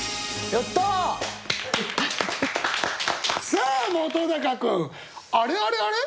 さあ本君あれあれあれ？